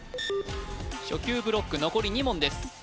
初級ブロック残り２問です